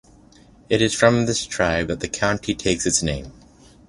It is from this tribe that the county takes its name.